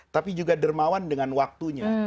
tapi juga dermawan dengan waktunya